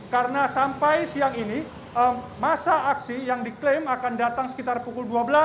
karena sampai siang ini masa aksi yang diklaim akan datang sekitar pukul dua belas